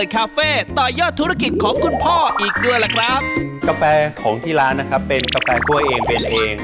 กาแฟของที่ร้านนะครับเป็นกาแฟกล้วยเองเป็นเอง